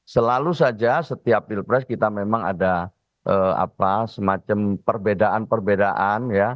selalu saja setiap pilpres kita memang ada semacam perbedaan perbedaan ya